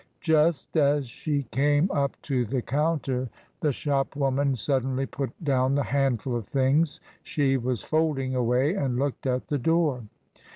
Just as she came up to the counter, the shopwoman suddenly put down the handful of things she was folding away and looked at the door.